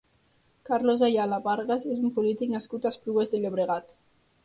Carlos Ayala Vargas és un polític nascut a Esplugues de Llobregat.